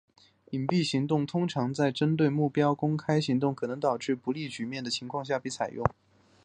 隐蔽行动通常在针对目标公开行动可能导致不利局面的情况下被采用。